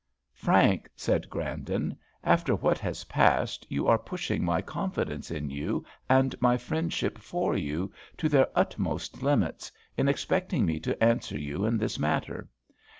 "Frank," said Grandon, "after what has passed you are pushing my confidence in you, and my friendship for you, to their utmost limits, in expecting me to answer you in this matter.